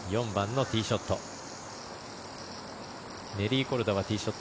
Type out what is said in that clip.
４番のティーショット。